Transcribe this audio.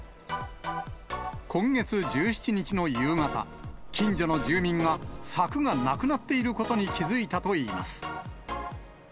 今月１７日の夕方、近所の住民が柵がなくなっていることに気付いたといいます。